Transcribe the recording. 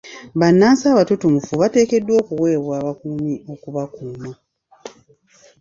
Bannansi abatutumufu bateekeddwa okuweebwa abakuumi okubakuuma.